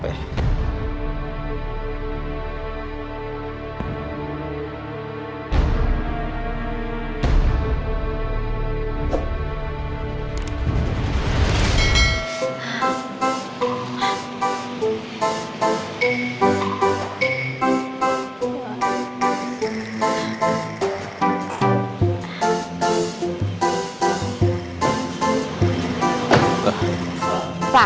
perih sama berair